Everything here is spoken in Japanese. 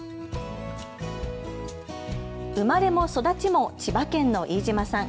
生まれも育ちも千葉県の飯島さん。